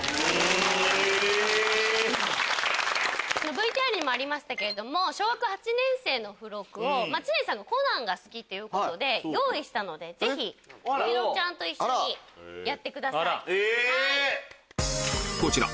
ＶＴＲにもありましたけれど『小学８年生』の付録を知念さんが『コナン』が好きということで用意したのでぜひ柚乃ちゃんと一緒にやってください。